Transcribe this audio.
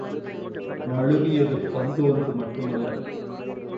நழுவியது பந்து ஒன்று மட்டுமல்ல!